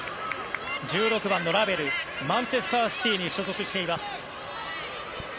１６番のラベルマンチェスター・シティーに所属しています。